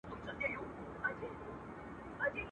پر اغزیو راته اوښ وهي رمباړي.